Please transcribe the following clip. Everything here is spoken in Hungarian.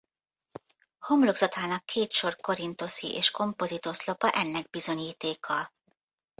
Homlokzatának két sor korinthoszi és kompozit oszlopa ennek bizonyítéka.